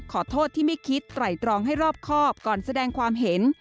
ขอโทษที่ไม่คิดไตรตรองให้รอบครอบก่อนแสดงความเห็น